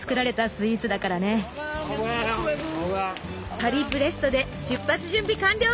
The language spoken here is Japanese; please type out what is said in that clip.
パリブレストで出発準備完了！